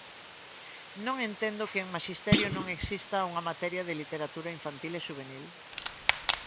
Non entendo que en Maxisterio non exista unha materia de literatura infantil e xuvenil.